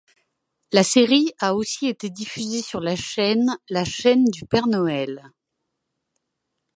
La série a aussi été diffusé sur la chaîne La Chaîne du Père Noël.